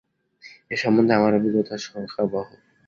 এ সম্বন্ধে আমার অভিজ্ঞতা শোকাবহ।